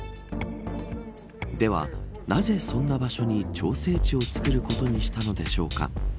では、なぜそんな場所に調整池を作ることにしたのでしょうか。